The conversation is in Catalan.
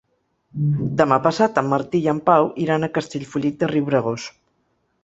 Demà passat en Martí i en Pau iran a Castellfollit de Riubregós.